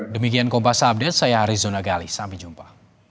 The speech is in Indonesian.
demikian kopas update saya arizona gali sampai jumpa